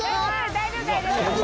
大丈夫大丈夫。